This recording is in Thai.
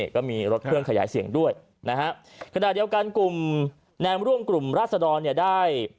ก็มีรถเครื่องขยายเสียงด้วยนะฮะขณะเดียวกันกลุ่มแนมร่วมกลุ่มราศดรเนี่ยได้